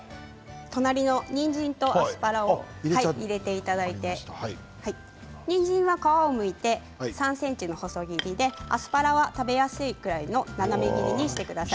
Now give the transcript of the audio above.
隣のにんじんとアスパラを入れていただいてにんじんは皮をむいていただいて３ｃｍの細切りアスパラは食べやすいくらいの斜め切りにしてください。